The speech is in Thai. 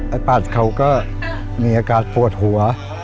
ไอ้ปั๊ดเขาก็มีอากาศพวดหัว